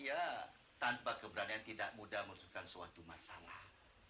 iya tanpa keberanian tidak mudah menurunkan suatu masalah